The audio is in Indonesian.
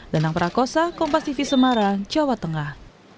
lenang prakosa kompas tv semarang jawa tengah